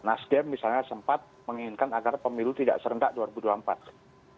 nasdem misalnya sempat menginginkan agar pemilu tidak serendak dua ribu dua puluh empat